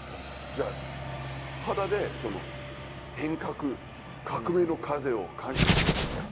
じゃあ肌でその変革革命の風を感じたってことなんですか。